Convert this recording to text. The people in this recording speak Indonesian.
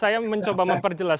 saya mencoba memperjelas